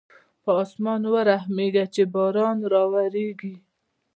په اسمان ورحمېږه چې باران راولېږي.